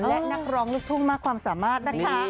และนักร้องลูกทุ่งมากความสามารถนะคะ